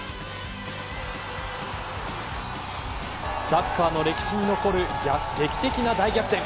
サッカーの歴史に残る劇的な大逆転。